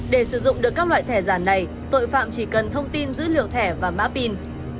để sử dụng được các loại thẻ giả này tội phạm chỉ cần thông tin dữ liệu thẻ và mã pin